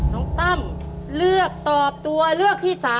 ตั้มเลือกตอบตัวเลือกที่๓